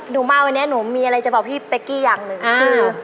หนูมาวันนี้หนูมีอะไรจะบอกพี่เป๊กกี้อย่างหนึ่งคือ